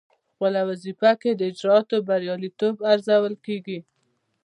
پخپله وظیفه کې د اجرااتو بریالیتوب ارزول کیږي.